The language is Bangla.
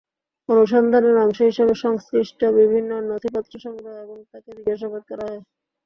অনুসন্ধানের অংশ হিসেবে সংশ্লিষ্ট বিভিন্ন নথিপত্র সংগ্রহ এবং তাঁকে জিজ্ঞাসাবাদ করা হয়।